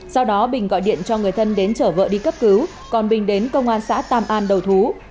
sau đó bình gọi điện cho người thân đến chở vợ đi cấp cứu còn bình đến công an xã tam an đầu thú